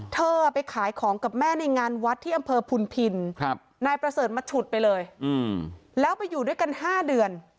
เธอไปขายของกับแม่ในงานวัดที่อำเภอพุนพินนายประเสริฐมาฉุดไปเลยแล้วไปอยู่ด้วยกัน๕เดือน